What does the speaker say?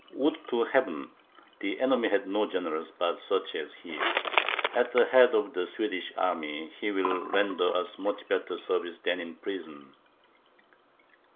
"Would to Heaven the enemy had no generals but such as he. At the head of the Swedish army, he will render us much better service than in prison."